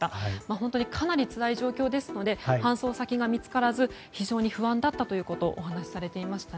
本当にかなりつらい状況ですので搬送先が見つからず非常に不安だったということをお話しされていました。